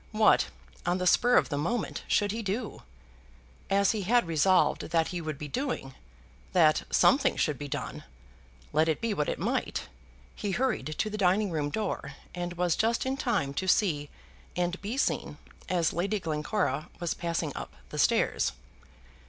What, on the spur of the moment, should he do? As he had resolved that he would be doing, that something should be done, let it be what it might, he hurried to the dining room door, and was just in time to see and be seen as Lady Glencora was passing up the stairs.